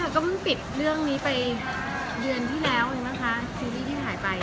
ใช่แล้วก็ปิดเรื่องนี้ไปเดือนที่แล้วซีรีส์ที่ถ่ายไป